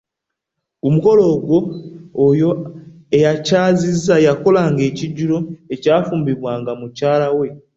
Ku mukolo ogwo, oyo akyazizza yakolanga ekijjulo, ekyafumbibwanga mukyala we